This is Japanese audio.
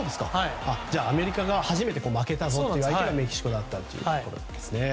じゃあ、アメリカが初めて負けた相手がメキシコだったということですね。